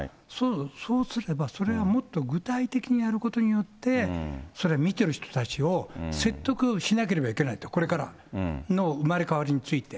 そうすれば、それがもっと具体的にやることによって、それは見てる人たちを説得しなければいけない、これからの生まれ変わりについて。